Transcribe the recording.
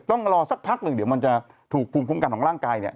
ต้องรอสักพักหนึ่งเดี๋ยวมันจะถูกภูมิคุ้มกันของร่างกายเนี่ย